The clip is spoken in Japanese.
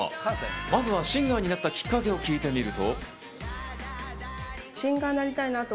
まずはシンガーになったきっかけを聞いてみると。